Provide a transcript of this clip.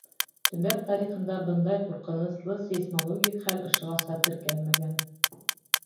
Төбәк тарихында бындай ҡурҡыныслы сейсмологик хәл ошоғаса теркәлмәгән.